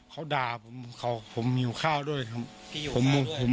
เขาด่าผมผมหิวข้าวด้วยครับผมโมโหครับ